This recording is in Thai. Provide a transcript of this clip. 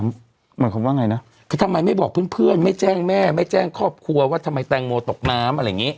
หมายความว่าไงนะคือทำไมไม่บอกเพื่อนไม่แจ้งแม่ไม่แจ้งครอบครัวว่าทำไมแตงโมตกน้ำอะไรอย่างนี้